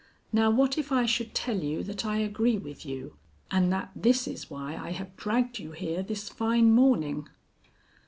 Now what if I should tell you that I agree with you, and that this is why I have dragged you here this fine morning?"